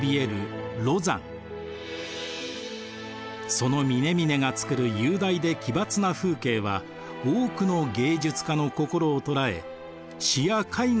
その峰々がつくる雄大で奇抜な風景は多くの芸術家の心を捉え詩や絵画の題材になりました。